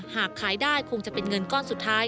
หากขายได้คงจะเป็นเงินก้อนสุดท้าย